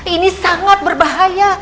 ini sangat berbahaya